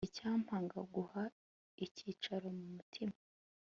icyampa nkaguha icyicaro, mu mutima